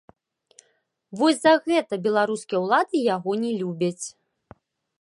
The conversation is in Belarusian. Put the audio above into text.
Вось за гэта беларускія ўлады яго не любяць.